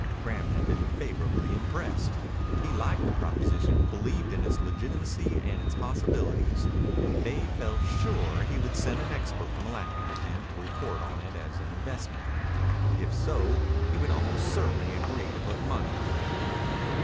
Graham had been favorably impressed. He liked the proposition, believed in its legitimacy and its possibilities. Dave felt sure he would send an expert to Malapi with him to report on it as an investment. If so, he would almost certainly agree to put money in it.